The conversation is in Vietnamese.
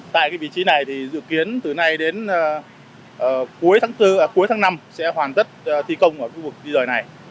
tại vị trí này dự kiến từ nay đến cuối tháng năm sẽ hoàn tất thi công ở khu vực di dời này